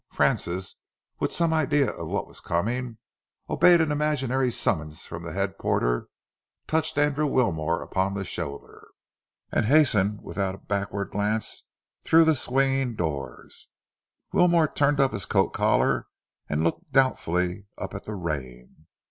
Francis, with some idea of what was coming, obeyed an imaginary summons from the head porter, touched Andrew Wilmore upon the shoulder, and hastened without a backward glance through the swing doors. Wilmore turned up his coat collar and looked doubtfully up at the rain.